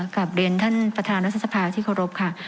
กลับเรียนท่านประธานรัฐสภาที่เคารพค่ะ